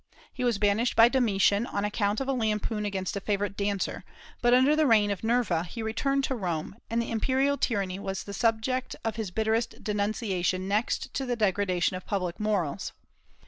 He was banished by Domitian on account of a lampoon against a favorite dancer, but under the reign of Nerva he returned to Rome, and the imperial tyranny was the subject of his bitterest denunciation next to the degradation of public morals.